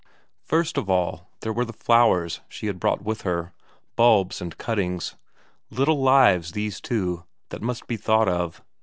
First of all there were the flowers she had brought with her bulbs and cuttings; little lives these too, that must be thought of.